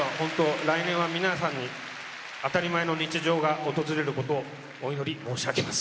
来年は皆さんに当たり前の日常が訪れることをお祈り申し上げます。